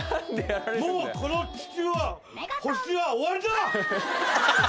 もうこの地球は、星は終りだ！